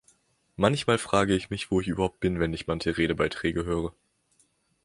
Manchmal frage ich mich, wo ich überhaupt bin, wenn ich manche Redebeiträge höre.